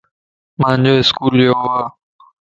مانجو اسڪول يو ا